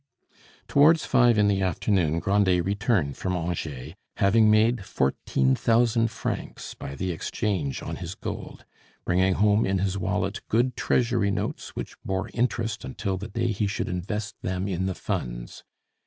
Towards five in the afternoon Grandet returned from Angers, having made fourteen thousand francs by the exchange on his gold, bringing home in his wallet good treasury notes which bore interest until the day he should invest them in the Funds.